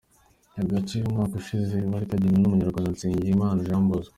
Aka gace umwaka ushize kari kegukanywe n’umunyarwanda Nsengimana Jean Bosco.